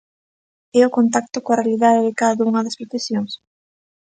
E o contacto coa realidade de cada unha das profesións?